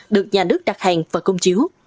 được nhà nước đặt hàng và công chiếu